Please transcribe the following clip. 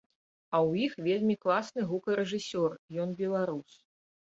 А ў іх вельмі класны гукарэжысёр, ён беларус.